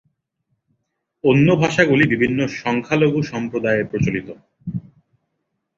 অন্য ভাষাগুলি বিভিন্ন সংখ্যালঘু সম্প্রদায়ে প্রচলিত।